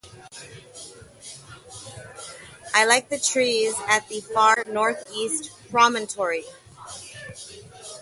I like the trees at the far northeast promontory.